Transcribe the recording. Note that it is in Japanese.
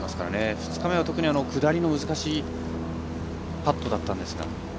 ２日目は、特に下りの難しいパットだったんですが。